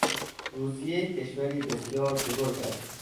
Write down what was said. روسیه کشوری بسیار بزرگ است.